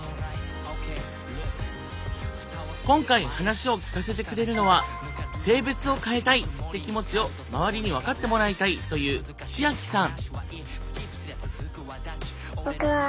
今回話を聞かせてくれるのは性別を変えたいって気持ちを周りに分かってもらいたいというチアキさん。